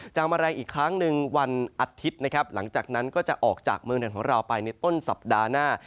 มาแรงอีกครั้งหนึ่งวันอาทิตย์นะครับหลังจากนั้นก็จะออกจากเมืองไหนของเราไปในต้นสัปดาห์หน้า